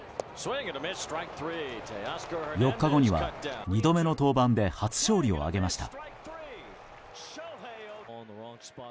４日後には２度目の登板で初勝利を挙げました。